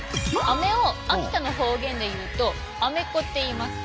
アメを秋田の方言で言うと「アメッコ」って言います。